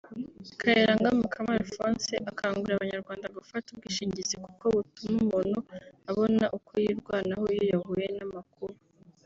Kayiranga Mukama Alphonse akangurira abanyarwanda gufata ubwishingizi kuko butuma umuntu abona uko yirwanaho iyo yahuye n’amakuba